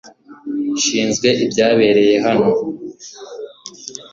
Nshinzwe ibyabereye hano .